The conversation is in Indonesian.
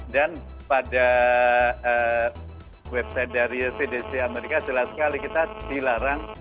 dan pada website dari cdc amerika jelas sekali kita dilarang